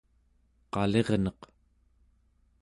qalirneq